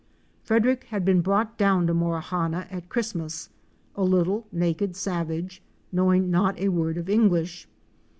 Frederick had been brought down to Morawhanna at Christmas — a little naked savage knowing not a word of English.